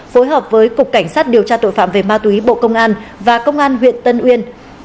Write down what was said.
phối hợp với cục cảnh sát điều tra tội phạm về ma túy bộ công an và công an huyện tân uyên